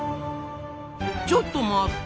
ちょっと待った！